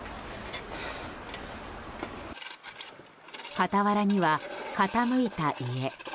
傍らには傾いた家。